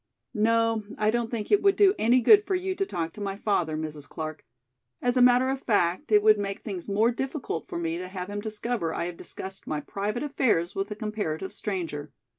"No, I don't think it would do any good for you to talk to my father, Mrs. Clark. As a matter of fact, it would make things more difficult for me to have him discover I have discussed my private affairs with a comparative stranger.